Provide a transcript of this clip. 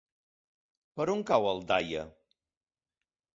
Per on cau Aldaia?